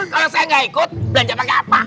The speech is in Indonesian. kalau saya gak ikut belanja pake apa